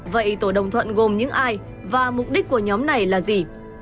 vậy tổ đồng thuận gồm những ai và mục đích của nhóm này là gì